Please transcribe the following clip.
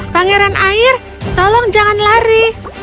pangeran air tolong jangan lari